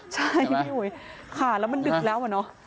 ใช่ค่ะแล้วมันดึกแล้ว